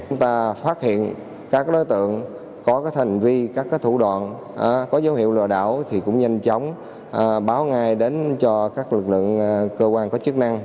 chúng ta phát hiện các đối tượng có hành vi các thủ đoạn có dấu hiệu lừa đảo thì cũng nhanh chóng báo ngay đến cho các lực lượng cơ quan có chức năng